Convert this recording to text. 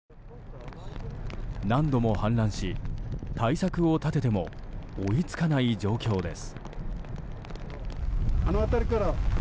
何度も氾濫し、対策を立てても追いつかない状況です。